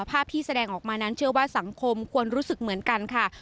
ภาพที่แสดงออกมานั้นเชื่อว่าสังคมควรรู้สึกเหมือนกันค่ะ